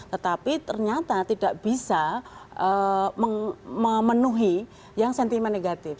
tetapi ternyata tidak bisa memenuhi yang sentimen negatif